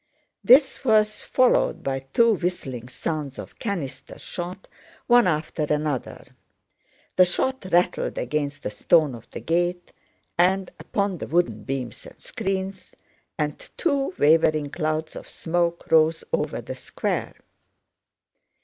This was followed by two whistling sounds of canister shot, one after another. The shot rattled against the stone of the gate and upon the wooden beams and screens, and two wavering clouds of smoke rose over the Square.